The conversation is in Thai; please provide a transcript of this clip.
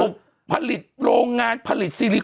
เบลล่าเบลล่า